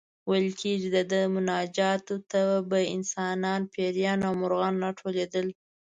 ویل کېږي د ده مناجاتو ته به انسانان، پېریان او مرغان راټولېدل.